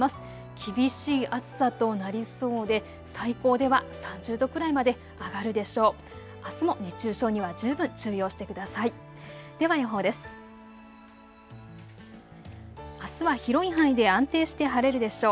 厳しい暑さとなりそうで最高では３０度くらいまで上がるでしょう。